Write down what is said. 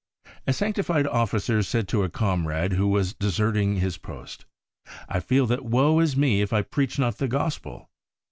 A sanctified Officer said to a comrade who was deserting his post, ' I feel that woe is me if I preach not the Gospel.